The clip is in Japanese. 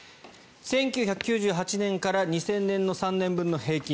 １９９８年から２０００年の３年分の平均